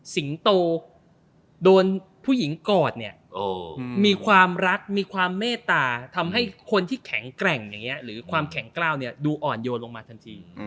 โตโดนผู้หญิงกอดเนี่ยมีความรักมีความเมตตาทำให้คนที่แข็งแกร่งอย่างนี้หรือความแข็งกล้าวเนี่ยดูอ่อนโยนลงมาทันที